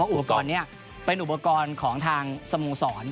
เพราะอุปกรณ์เนี่ยเป็นอุปกรณ์ของทางสมศร